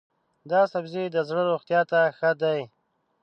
دا سبزی د زړه روغتیا ته ښه دی.